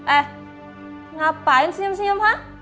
eh ngapain senyum senyum ha